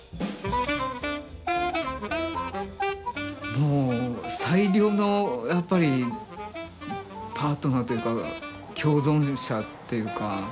もう最良のやっぱりパートナーというか共存者というか。